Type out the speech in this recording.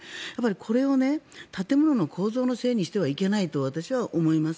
これを建物の構造のせいにしてはいけないと私は思います。